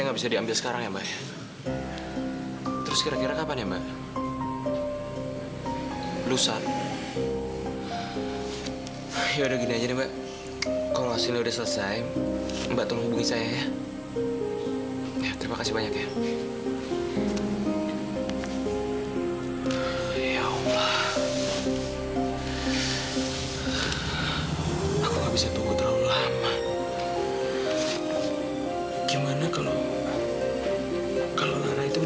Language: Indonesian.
enggak gak ada masalah apa apa biasalah masalah kantor